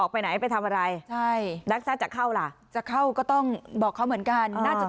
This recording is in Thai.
ไปไหนไปทำอะไรใช่นักแทรกจะเข้าล่ะจะเข้าก็ต้องบอกเขาเหมือนกันน่าจะ